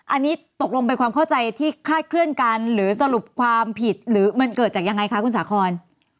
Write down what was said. อันนี้ตกลงเป็นความเข้าใจที่คลาดเคลื่อนกันหรือสรุปความผิดหรือมันเกิดจากยังไงคะคุณสาคร